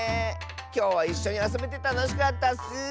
きょうはいっしょにあそべてたのしかったッス！